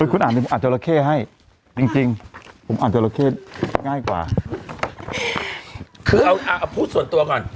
คุณอ่านเจาะละเข้ให้จริงจริงผมอ่านเจาะละเข้ง่ายกว่าคือเอาเอาพูดส่วนตัวก่อน